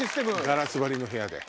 ガラス張りの部屋で。